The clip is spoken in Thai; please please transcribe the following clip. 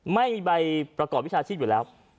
ไม่มีใบประกอบวิชาชีพอยู่แล้ว